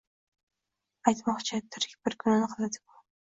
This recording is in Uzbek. Aytmoqchi tirik bir kunini qiladi-ku.